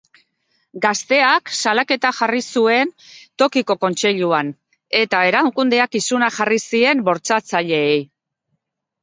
Gazteak salaketa jarri zuen tokiko kontseiluan, eta erakundeak isuna jarri zien bortxatzaileei.